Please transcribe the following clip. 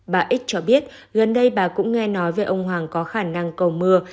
bà x cho biết gần đây bà cũng nghe nói về ông hoàng có khả năng cầu mưa